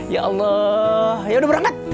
ya allah ya udah berangkat